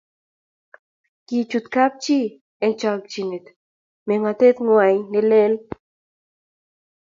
Kichut kapchi eng chokchinet mengotet nengwai nelel